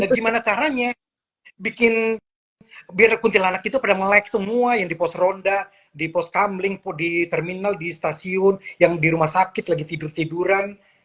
gimana caranya bikin biar kuntilan anak itu pada melek semua yang di pos ronda di pos kamling di terminal di stasiun yang di rumah sakit lagi tidur tiduran